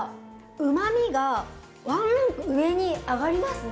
うまみがワンランク上に上がりますね。